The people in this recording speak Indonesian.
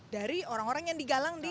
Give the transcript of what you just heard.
dari orang orang yang digalang deh